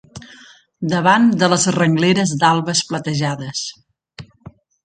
Davant de les rengleres d'albes platejades